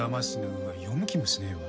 うわっ読む気もしねえわ